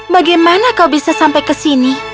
bagaimana kau bisa sampai ke sini